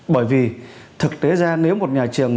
bởi vì thực tế ra nếu một nhà trường